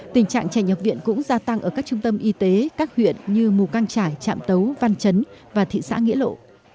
tình trạng trẻ nhập viện cũng gia tăng ở các trung tâm y tế các huyện như mù căng trải trạm tấu văn chấn và thị xã nghĩa lộ